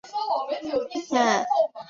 塞尔证明了这个定理的代数版本。